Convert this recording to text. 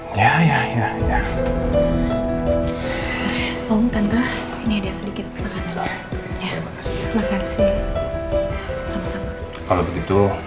begitu dulu kita lagi